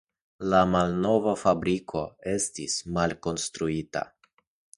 La malnova fabriko estis malkonstruita.